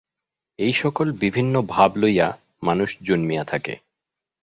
এই-সকল বিভিন্ন ভাব লইয়া মানুষ জন্মিয়া থাকে।